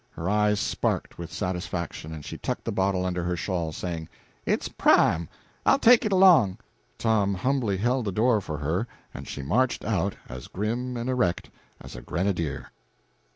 Her eyes sparkled with satisfaction, and she tucked the bottle under her shawl, saying, "It's prime. I'll take it along." Tom humbly held the door for her, and she marched out as grim and erect as a grenadier.